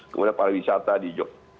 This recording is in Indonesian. kemudian para wisata di jogja